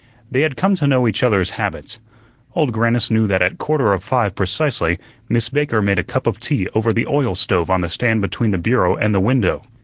They had come to know each other's habits. Old Grannis knew that at quarter of five precisely Miss Baker made a cup of tea over the oil stove on the stand between the bureau and the window.